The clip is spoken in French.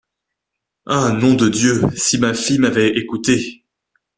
Ah! nom de Dieu ! si ma fille m’avait écoutée !...